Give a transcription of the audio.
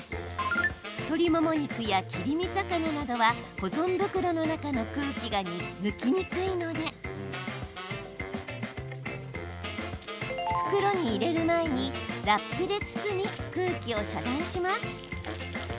鶏もも肉や切り身魚などは保存袋の中の空気が抜きにくいので袋に入れる前にラップで包み空気を遮断します。